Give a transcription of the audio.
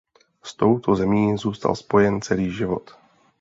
S touto zemí zůstal spojen celý život.